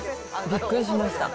びっくりしました。